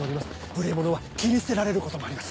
無礼者は切り捨てられることもあります。